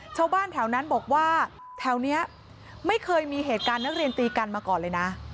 ชาวบ้านแถวนั้นบอกว่าแถวนี้ไม่เคยมีเหตุการณ์นักเรียนตีกันมาก่อนเลยนะ